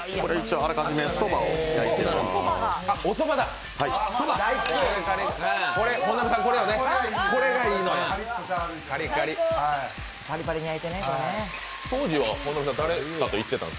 あらかじめそばを焼いています。